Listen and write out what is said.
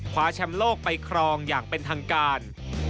คว้าแชมป์โลกไปครองอย่างเป็นทางการ